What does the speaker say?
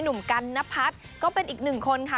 หนุ่มกันนพัฒน์ก็เป็นอีกหนึ่งคนค่ะ